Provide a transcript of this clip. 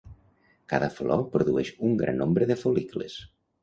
Cada flor produeix un gran nombre de fol·licles.